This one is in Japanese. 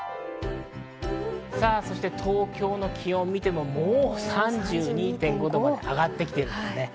東京の気温を見ても、もう３２．５度まで上がってきているんです。